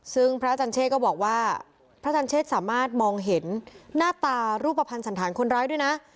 ซึ่งพระอาจารย์เชษก็บอกว่าพระอาจารย์เชษสามารถมองเห็นหน้าตารูปภัณฑ์สันธารคนร้ายด้วยนะ